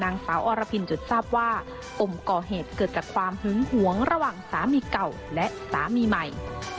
นางสาวอรพินจนทราบว่าปมก่อเหตุเกิดจากความหึงหวงระหว่างสามีเก่าและสามีใหม่